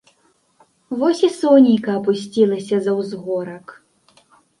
Вось і сонейка апусцілася за ўзгорак.